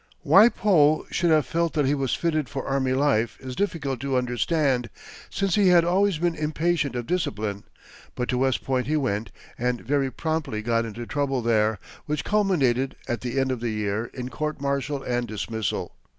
Why Poe should have felt that he was fitted for army life is difficult to understand, since he had always been impatient of discipline; but to West Point he went and very promptly got into trouble there, which culminated, at the end of the year, in court martial and dismissal.